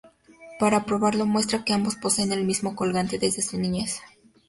Para probarlo muestra que ambos poseen el mismo colgante desde su niñez.